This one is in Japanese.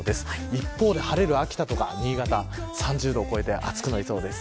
一方で、晴れる秋田とか新潟３０度を超えて暑くなりそうです。